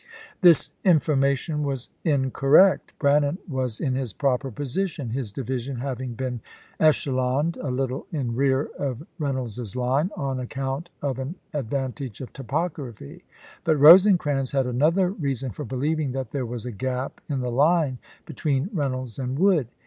This information was incorrect; Brannan was in his proper position, his division having been echeloned a little in rear of Reynolds's line on account of an advantage of topography. But Rosecrans had another reason for believing that there was a gap in the line between Reynolds and Wood.